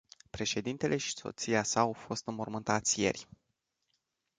Președintele și soția sa au fost înmormântați ieri.